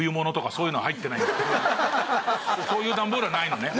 そういう段ボールはないのね？